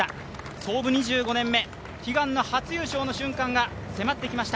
創部２５年目、悲願の初優勝の瞬間が迫ってきました。